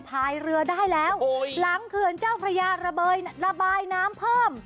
พายเรือได้แล้วหลังเขื่อนเจ้าพระยาระบายน้ำเพิ่ม